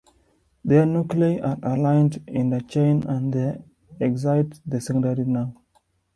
Their nuclei are aligned in a chain and they excite the secondary nerve.